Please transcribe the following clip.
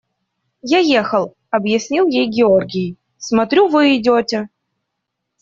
– Я ехал, – объяснил ей Георгий, – смотрю, вы идете.